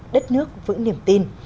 đất nước vững niềm tin